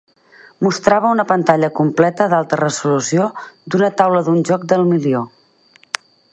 Mostrava una pantalla completa d'alta resolució d'una taula d'un joc del milió.